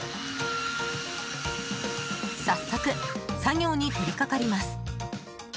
早速、作業に取りかかります。